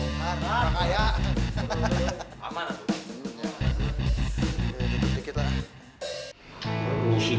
udah udah biarin biarin